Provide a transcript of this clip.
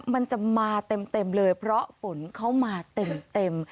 มันจะมาเต็มเลยเพราะฝนเข้ามาเต็ม